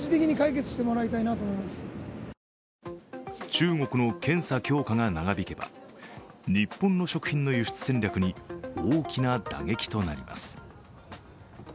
中国の検査強化が長引けば日本の食品の輸出戦略に大きな打撃となります。